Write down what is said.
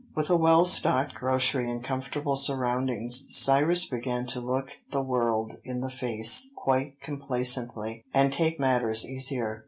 With a well stocked grocery and comfortable surroundings, Cyrus began to look the world in the face quite complacently, and take matters easier.